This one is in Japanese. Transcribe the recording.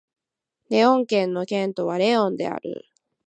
レオン県の県都はレオンである